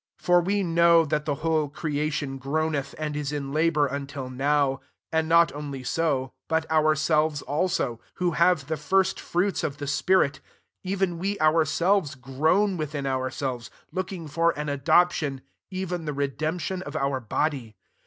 22 For we know that tbe whole creation groaneth and is in labour until now : 23 and not only «o, but ourselves also, who have the first fruits of the spirit, even we ourselves groan within ourselves, looking for an adoption, even the redemption of our body.